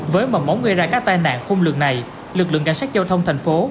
với mầm móng gây ra các tai nạn khung lường này lực lượng cảnh sát giao thông thành phố